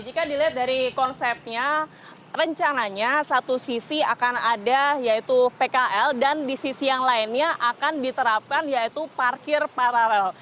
jika dilihat dari konsepnya rencananya satu sisi akan ada yaitu pkl dan di sisi yang lainnya akan diterapkan yaitu parkir paralel